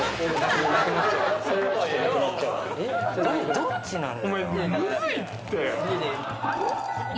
どっちなのよ？